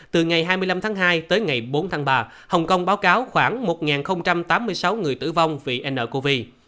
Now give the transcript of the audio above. từ ngày hai mươi năm tháng hai tới ngày bốn tháng ba hồng kông báo cáo khoảng một tám mươi sáu người tử vong vì ncov